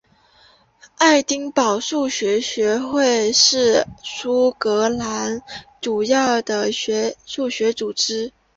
爱丁堡数学学会是苏格兰主要的数学组织。